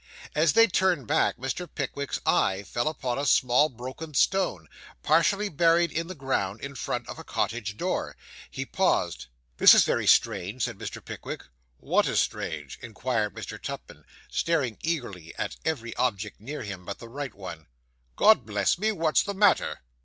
As they turned back, Mr. Pickwick's eye fell upon a small broken stone, partially buried in the ground, in front of a cottage door. He paused. 'This is very strange,' said Mr. Pickwick. 'What is strange?' inquired Mr. Tupman, staring eagerly at every object near him, but the right one. 'God bless me, what's the matter?